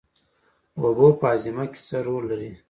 اوبه په هاضمه کې څه رول لري